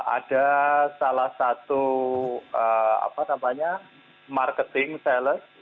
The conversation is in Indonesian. ada salah satu apa namanya marketing sales